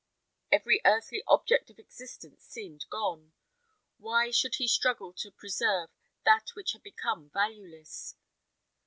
Every earthly object of existence seemed gone; why should he struggle to preserve that which had become valueless?